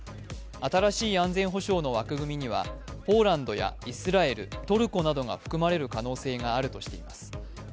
新しい安全保障の枠組みにはポーランドやイスラエル、トルコなどが含まれる可能性があるとしています。